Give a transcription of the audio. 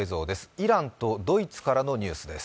イランとドイツからのニュースです。